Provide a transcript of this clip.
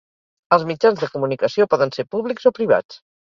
Els mitjans de comunicació poden ser públics o privats.